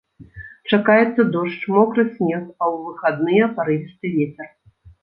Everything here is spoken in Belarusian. Чакаецца дождж, мокры снег, а ў выхадныя парывісты вецер.